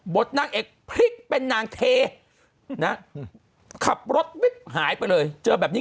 นางเอกพลิกเป็นนางเทนะขับรถวิบหายไปเลยเจอแบบนี้